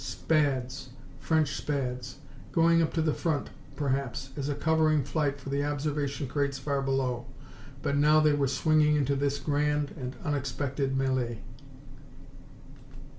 Spads, French Spads! Going up to the front, perhaps, as a covering flight for the observation crates far below. But now they were swinging into this grand and unexpected melee.